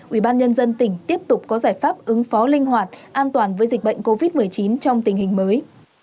ủy ban nhân dân tỉnh tiếp tục có giải pháp ứng phó linh hoạt an toàn với dịch bệnh covid một mươi chín trong tình hình mới